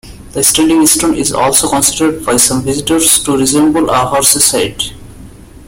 The standing stone is also considered by some visitors to resemble a horse's head.